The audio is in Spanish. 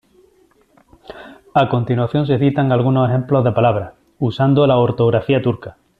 A continuación se citan algunos ejemplos de palabras, usando la ortografía turca.